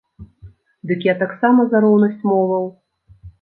Дык я таксама за роўнасць моваў.